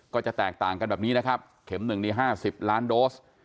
ก็จะแตกต่างกันแบบนี้นะครับเข็ม๑นี่๕๐ล้านโดส